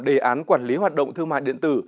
đề án quản lý hoạt động thương mại điện tử